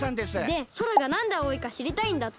で空がなんで青いかしりたいんだって。